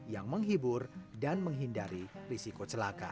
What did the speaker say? yang menghibur dan menghindari risiko celaka